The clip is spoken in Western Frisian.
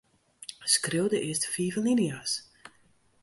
Skriuw de earste fiif alinea's.